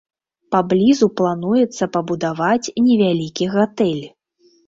Паблізу плануецца пабудаваць невялікі гатэль.